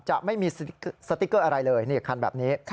จะไม่มีสติ๊กเกอร์อะไรเลยนี่คันแบบนี้